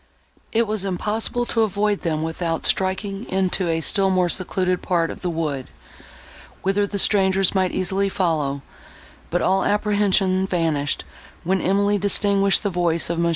It was impossible to avoid them without striking into a still more secluded part of the wood, whither the strangers might easily follow; but all apprehension vanished, when Emily distinguished the voice of Mons.